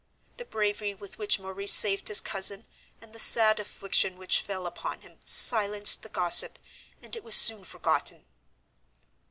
The bravery with which Maurice saved his cousin, and the sad affliction which fell upon him, silenced the gossip, and it was soon forgotten."